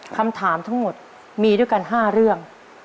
คำถามทั้งหมดมีด้วยกัน๕เรื่อง